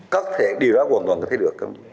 có thể điều đó hoàn toàn có thể được